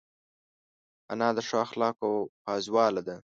انا د ښو اخلاقو پازواله ده